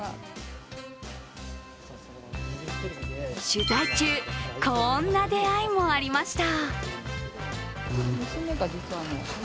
取材中、こーんな出会いもありまた。